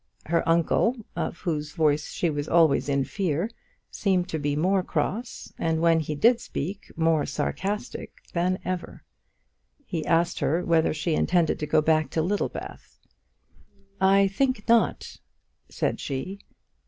Her uncle, of whose voice she was always in fear, seemed to be more cross, and when he did speak, more sarcastic than ever. He asked her whether she intended to go back to Littlebath. "I think not," said she.